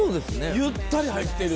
ゆったり入ってる。